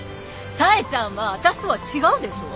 冴ちゃんは私とは違うでしょ？